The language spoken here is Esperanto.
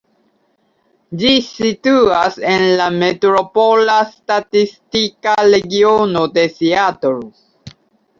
Ĝi situas en la metropola statistika regiono de Seatlo.